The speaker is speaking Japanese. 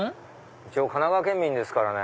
一応神奈川県民ですからね。